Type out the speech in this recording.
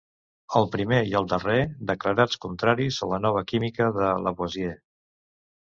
El primer i el darrer, declarats contraris a la nova química de Lavoisier.